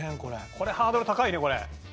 これハードル高いねこれ。